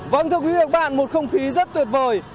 vâng thưa quý vị và các bạn một không khí rất tuyệt vời